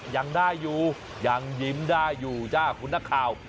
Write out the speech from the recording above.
ยังได้อยู่ยังยิ้มได้อยู่จ้าคุณนักข่าว